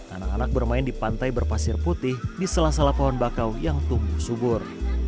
anak anak bermain di pantai berpasir putih di sela sela pohon bakau yang tumbuh subur